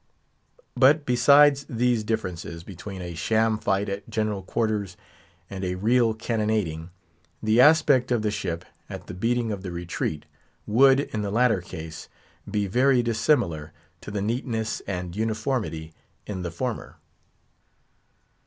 But besides these differences between a sham fight at general quarters and a real cannonading, the aspect of the ship, at the beating of the retreat, would, in the latter case, be very dissimilar to the neatness and uniformity in the former.